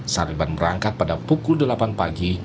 sariban berangkat pada pukul delapan pagi